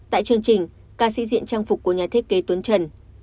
tại chương trình ca sĩ diện trang phục của nhà thiết kế tuấn trần